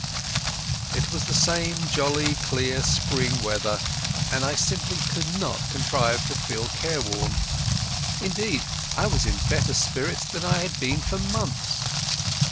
It was the same jolly, clear spring weather, and I simply could not contrive to feel careworn. Indeed I was in better spirits than I had been for months.